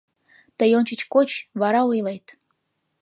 — Тый ончыч коч, вара ойлет.